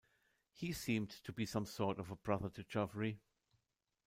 He seemed to be some sort of a brother to Geoffrey.